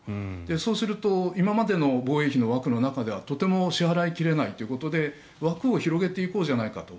そうすると今までの防衛費の枠の中ではとても支払い切れないということで枠を広げていこうじゃないかと。